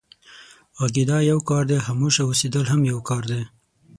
غږېدا يو کار دی، خاموشه اوسېدل هم يو کار دی.